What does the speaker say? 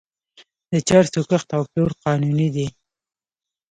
د چرسو کښت او پلور قانوني دی.